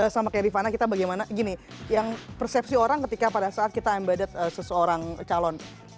sama kayak rifana kita bagaimana gini yang persepsi orang ketika pada saat kita embedded seseorang calon